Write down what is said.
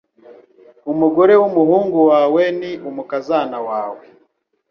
Umugore wumuhungu wawe ni umukazana wawe.